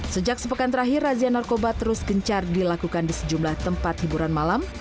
sejak sepekan terakhir razia narkoba terus gencar dilakukan di sejumlah tempat hiburan malam